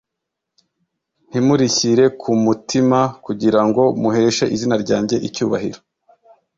ntimurishyire ku mutima kugira ngo muheshe izina ryanjye icyubahiro